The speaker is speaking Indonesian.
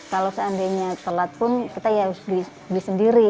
kalau seandainya telat pun kita ya harus beli sendiri